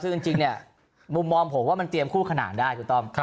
ซึ่งจริงเนี่ยมุมมองผมว่ามันเตรียมคู่ขนานได้ถูกต้อง